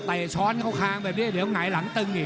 ไปช้อนเข้าค้างแบบนี้เดี๋ยวไหงถึง